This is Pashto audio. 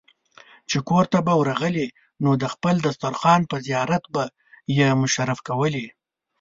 چې کورته به ورغلې نو د خپل دسترخوان په زيارت به يې مشرف کولې.